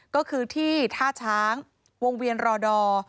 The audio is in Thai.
ก็คือที่ท่าช้างวงเวียนรอดอร์